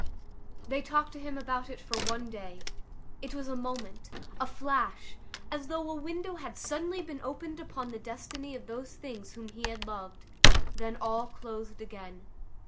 They talked to him about it for one day; it was a moment, a flash, as though a window had suddenly been opened upon the destiny of those things whom he had loved; then all closed again.